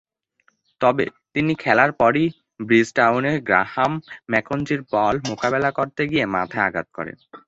তবে, তিন খেলার পরই ব্রিজটাউনে গ্রাহাম ম্যাকেঞ্জি’র বল মোকাবেলা করতে গিয়ে মাথায় আঘাত করে।